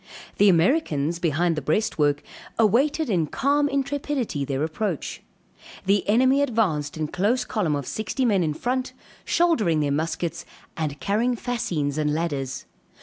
The Americans, behind the breastwork, awaited in calm intrepidity their approach. The enemy advanced in close column of sixty men in front, shouldering their muskets and carrying fascines and ladders.